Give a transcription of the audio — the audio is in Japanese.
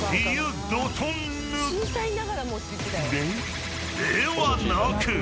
［でではなく］